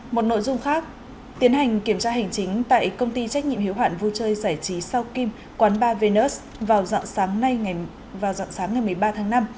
một nội dung khác tiến hành kiểm tra hành chính tại công ty trách nhiệm hiếu hoạn vui chơi giải trí sau kim quán ba venus vào dặn sáng ngày một mươi ba tháng năm